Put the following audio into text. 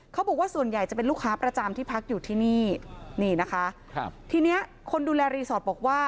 เขาบอกว่าส่วนใหญ่จะเป็นลูกค้าประจำที่พักอยู่ที่นี่นี่นะคะครับทีเนี้ยคนดูแลรีสอร์ทบอกว่า